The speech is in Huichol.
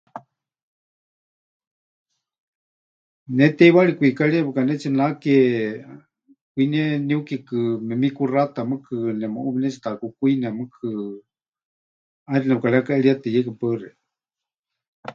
Ne teiwari kwikarieya pɨkanetsinake, kwinie niukikɨ memikuxata mɨɨkɨ, nemuʼú pɨnetsiʼutakukwine mɨɨkɨ, ʼaixɨ nepɨkarekaʼerietɨyeika. Paɨ xeikɨ́a.